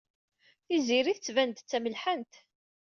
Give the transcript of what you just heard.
Tiziri tettban-d d tamelḥant.